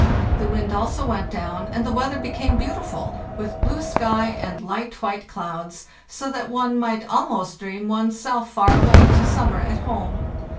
The wind also went down, and the weather became beautiful, with blue sky and light white clouds, so that one might almost dream one's self far away to summer at home.